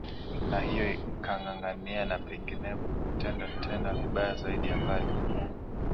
na hiyo kangangania na penginepo kutenda tena vibaya zaidi ya pale